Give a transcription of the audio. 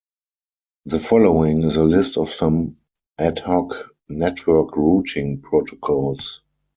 The following is a list of some ad hoc network routing protocols.